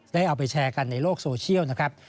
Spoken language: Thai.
เอาไปแชร์กันในโลกโซเชียลนะครับ